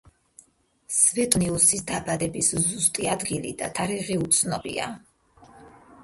სვეტონიუსის დაბადების ზუსტი ადგილი და თარიღი უცნობია.